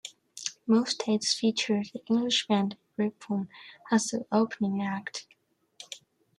Most dates featured the English band Gryphon as the opening act.